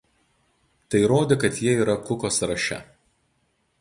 Tai rodė kad jie yra Kuko sąraše.